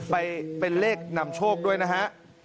ไปเป็นเลขนำโชคด้วยนะฮะ